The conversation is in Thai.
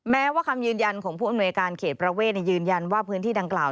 แม้ว่าคำยืนยันของผู้อำนวยการเขตประเวทยืนยันว่าพื้นที่ดังกล่าว